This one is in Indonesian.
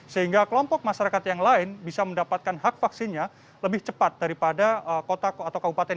sehingga kelompok masyarakat yang lain bisa mendapatkan hak vaksinnya lebih cepat daripada kota atau kabupaten